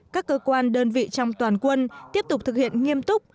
các cơ quan đơn vị trong toàn quân tiếp tục thực hiện nghiêm túc